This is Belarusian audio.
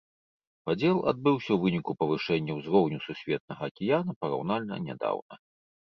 Падзел адбыўся ў выніку павышэння ўзроўню сусветнага акіяна параўнальна нядаўна.